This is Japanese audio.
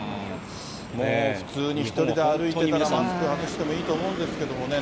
もう普通に１人で歩いてたら、マスク外してもいいと思うんですけどね。